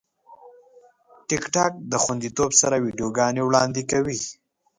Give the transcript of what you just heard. ټیکټاک د خوندیتوب سره ویډیوګانې وړاندې کوي.